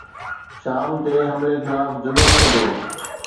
شام تي حملي خلاف جلوس ڪڍيو